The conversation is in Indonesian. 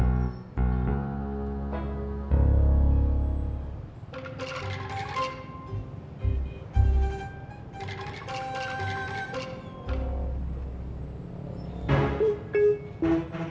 aku mau ke tempat yang lebih baik